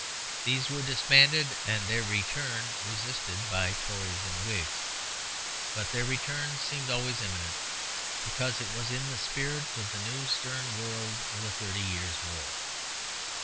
These were disbanded and their return resisted by Tories and Whigs; but their return seemed always imminent, because it was in the spirit of the new stern world of the Thirty Years' War.